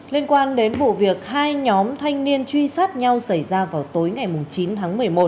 liên quan đến vụ việc hai nhóm thanh niên truy sát nhau xảy ra vào tối ngày chín tháng một mươi một